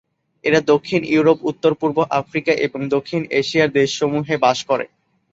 এরা দক্ষিণ ইউরোপ, উত্তর পূর্ব আফ্রিকা এবং দক্ষিণ এশিয়ার দেশসমূহে বাস করে।